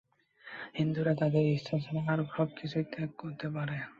হিন্দুরা তাদের ঈশ্বর ছাড়া আর সব-কিছুই ত্যাগ করতে পারে।